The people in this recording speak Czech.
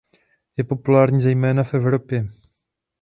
Je populární zejména v Evropě.